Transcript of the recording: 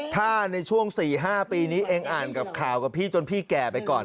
ถ้าในช่วง๔๕ปีนี้เองอ่านกับข่าวกับพี่จนพี่แก่ไปก่อน